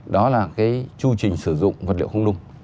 đó là cái chu trình sử dụng vật liệu không nung